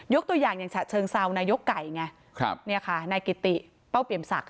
ตัวอย่างอย่างฉะเชิงเซานายกไก่ไงนายกิติเป้าเปรียมศักดิ